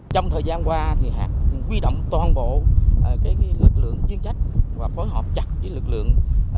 trong thời gian qua quy động toàn bộ lực lượng chuyên trách và phối hợp chặt với lực lượng